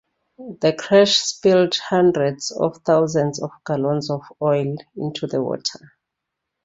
The crash spilled hundreds of thousands of gallons of oil into the water.